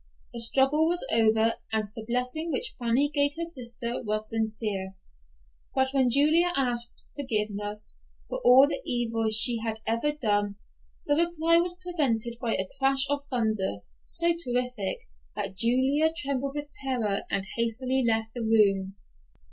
The struggle was over and the blessing which Fanny gave her sister was sincere, but when Julia asked forgiveness for all the evil she had ever done, the reply was prevented by a crash of thunder so terrific that Julia trembled with terror, and hastily left the room.